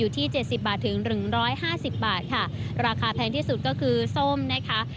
ที่เจ็ดสิบบาทถึงหนึ่งร้อยห้าสิบบาทค่ะราคาแพงที่สุดก็คือส้มนะคะ